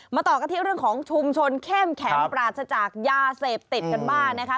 ต่อกันที่เรื่องของชุมชนเข้มแข็งปราศจากยาเสพติดกันบ้างนะคะ